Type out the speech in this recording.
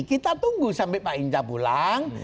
kita tunggu sampai pak hinca pulang